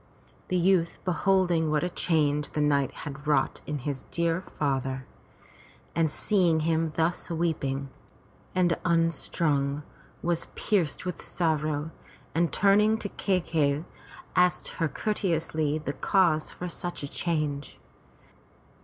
The youth beholding what a change the night had wrought in his dear father, and seeing him thus weeping 387 MY BOOK HOUSE and unstrung, was pierced with sorrow, and turning to Kai key'i asked her courteously the cause for such a change.